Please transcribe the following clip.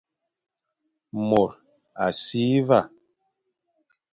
Môr a si va,